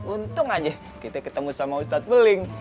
untung aja kita ketemu sama ustadz beling